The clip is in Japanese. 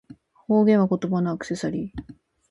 方言は、言葉のアクセサリー